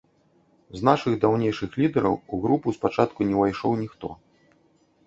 З нашых даўнейшых лідэраў у групу спачатку не ўвайшоў ніхто.